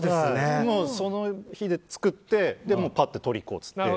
その日、作ってパッて撮りに行こうって。